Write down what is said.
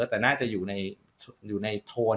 แต่น่าจะอยู่ในโทน